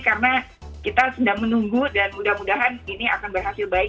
karena kita sedang menunggu dan mudah mudahan ini akan berhasil baik